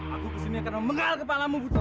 aku ke sini akan memengal kepalamu puto